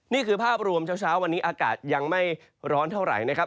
นี่คือภาพรวมเช้าวันนี้อากาศยังไม่ร้อนเท่าไหร่นะครับ